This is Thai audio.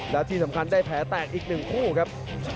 แล้วที่สำคัญได้แผลแตกอีก๑คู่ครับ